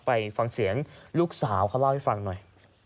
ไปฟังเสียงลูกสาวเขาเล่าให้ฟังหน่อย